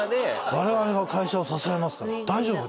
「我々が会社を支えますから大丈夫です！」